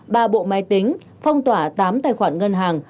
ba bộ máy tính phong tỏa tám tài khoản ngân hàng